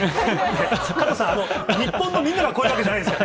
加藤さん、日本のみんながこういうわけではないですから。